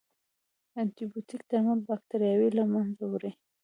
انټيبیوټیک درمل باکتریاوې له منځه وړي.